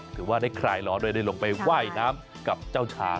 ก็ได้คลายร้อนได้ลงไปว่ายน้ำกับเจ้าช้าง